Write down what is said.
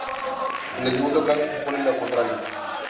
En el segundo caso supone lo contrario.